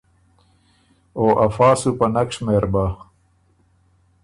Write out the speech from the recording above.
او افا سو په نک شمېر بَۀ۔